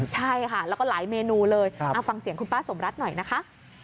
ใช่ค่ะแล้วก็หลายเมนูเลยฟังเสียงคุณป้าสมรัฐหน่อยนะคะ